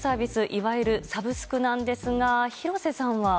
いわゆるサブスクですが廣瀬さんは？